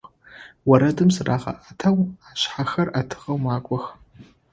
Орэдым зырагъэӀэтэу, ашъхьэхэр Ӏэтыгъэхэу макӀох.